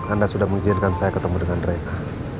anda sudah mengizinkan saya ketemu dengan mereka